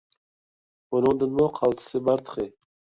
بۇنىڭدىنمۇ قالتىسى بار تېخى!